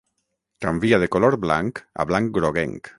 Canvia de color blanc a blanc groguenc.